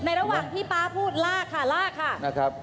เออ